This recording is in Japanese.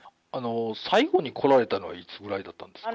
最後に来られたのはいつぐらいだったんですか？